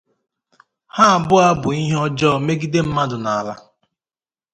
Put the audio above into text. Ha abụọ bụ ihe ọjọọ megide mmadụ na ala.